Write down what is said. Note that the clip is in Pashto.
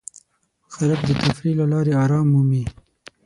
خلک د تفریح له لارې آرام مومي.